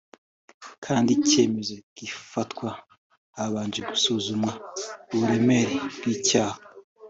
kandi icyemezo kigafatwa habanje gusuzumwa uburemere bw’icyaha